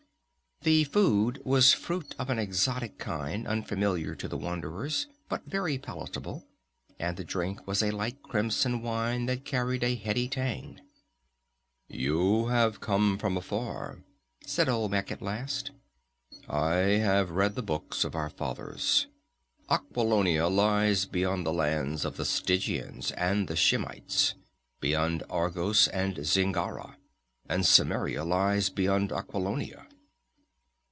The food was fruit of an exotic kind unfamiliar to the wanderers, but very palatable, and the drink was a light crimson wine that carried a heady tang. "You have come from afar," said Olmec at last. "I have read the books of our fathers. Aquilonia lies beyond the lands of the Stygians and the Shemites, beyond Argos and Zingara; and Cimmeria lies beyond Aquilonia."